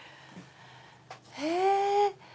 へぇ！